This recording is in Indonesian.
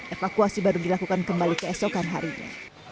evakuasi baru dilakukan kembali keesokan harinya